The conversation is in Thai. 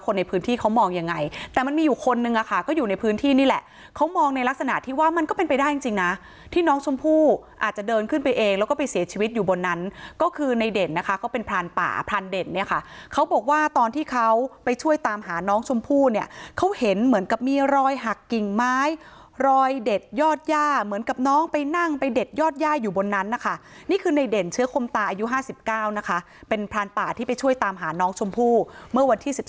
จะเดินขึ้นไปเองแล้วก็ไปเสียชีวิตอยู่บนนั้นก็คือในเด่นนะคะก็เป็นพรานป่าพรานเด่นเนี่ยค่ะเขาบอกว่าตอนที่เขาไปช่วยตามหาน้องชมพู่เนี่ยเขาเห็นเหมือนกับมีรอยหักกิ่งไม้รอยเด็ดยอดย่าเหมือนกับน้องไปนั่งไปเด็ดยอดย่าอยู่บนนั้นนะคะนี่คือในเด่นเชื้อคมตาอายุห้าสิบเก้านะคะเป็นพรานป่าที่ไปช่วยตามหาน้องชมพู่